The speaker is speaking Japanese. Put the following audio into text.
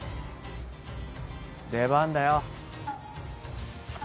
出番だよ！